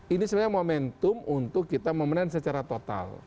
ini sebenarnya momentum untuk kita memenang secara total